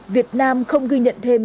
việt nam không ghi nhận thêm